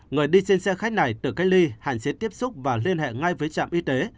người đi trên xe khách này tự cách ly hạn chế tiếp xúc và liên hệ ngay với trạm y tế